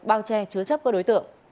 bao che chứa chấp các đối tượng